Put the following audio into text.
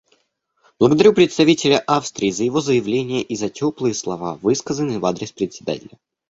Благодарю представителя Австрии за его заявление и за теплые слова, высказанные в адрес Председателя.